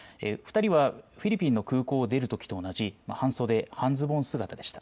２人はフィリピンの空港を出るときと同じ半袖、半ズボン姿でした。